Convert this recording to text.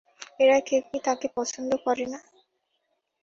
এরা কেউ কি তাঁকে পছন্দ করে না?